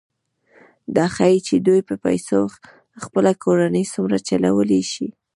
دا ښيي چې دوی په پیسو خپله کورنۍ څومره چلولی شي